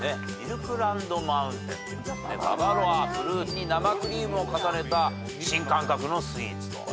ババロアフルーツに生クリームを重ねた新感覚のスイーツと。